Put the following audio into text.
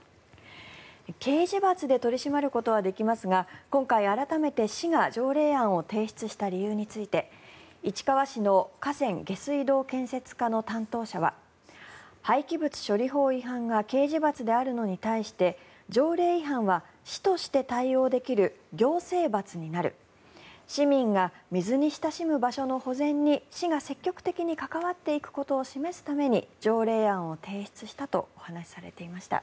刑事罰で取り締まることはできますが今回、改めて市が条例案を提出した理由について市川市の河川・下水道建設課の担当者は廃棄物処理法違反が刑事罰であるのに対して条例違反は市として対応できる行政罰になる市民が水に親しむ場所の保全に市が積極的に関わっていくことを示すために条例案を提出したとお話しされていました。